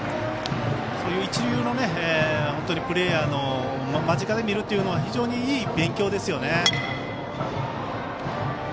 一流のプレーヤーを間近で見るというのは非常にいい勉強ですよね。